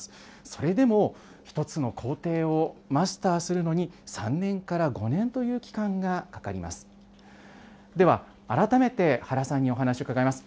それでも、１つの工程をマスターするのに、３年から５年という期間がかかります。